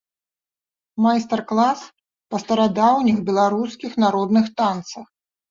Майстар-клас па старадаўніх беларускіх народных танцах.